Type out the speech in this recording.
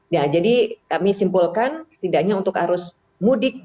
nah jadi kami simpulkan setidaknya untuk arus mudik